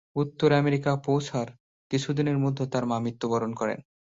উত্তর আমেরিকা পৌঁছার কিছুদিনের মধ্যে তার মা মৃত্যুবরণ করেন।